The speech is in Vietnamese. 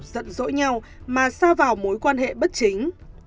dẫn dỗi nhau mà xa vào mối quan hệ bất chính